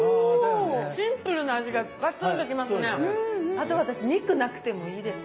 あと私肉なくてもいいです。